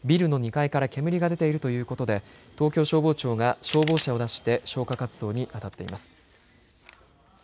ビルの２階から煙が出ているということで東京消防庁が消防車を出して消火活動に当たっています。